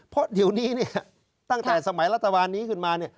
เพราะเดี๋ยวนี้เนี่ยตั้งแต่สมัยรัฐบาลนี้ขึ้นมา